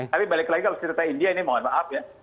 tapi balik lagi kalau cerita india ini mohon maaf ya